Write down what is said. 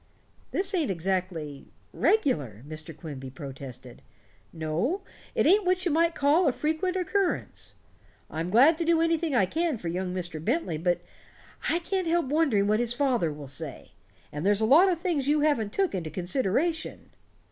"This ain't exactly regular," Mr. Quimby protested. "No, it ain't what you might call a frequent occurrence. I'm glad to do anything I can for young Mr. Bentley, but I can't help wondering what his father will say. And there's a lot of things you haven't took into consideration."